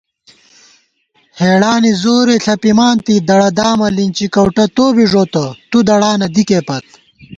ہېڑانی زورے ݪَپِمانتی دڑہ دامہ لِنچی کؤٹہ توبی ݫوتہ تُو دڑانہ دِکےپت